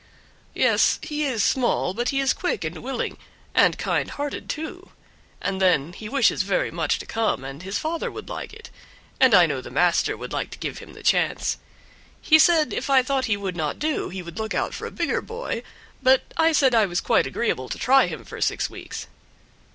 "Yes, he is small, but he is quick and willing, and kind hearted, too, and then he wishes very much to come, and his father would like it; and I know the master would like to give him the chance. He said if I thought he would not do he would look out for a bigger boy; but I said I was quite agreeable to try him for six weeks."